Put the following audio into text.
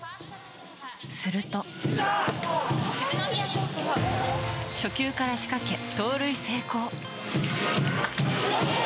すると、初球から仕掛け盗塁成功。